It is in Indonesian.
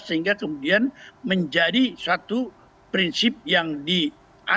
sehingga kemudian menjadi satu prinsip yang dikawal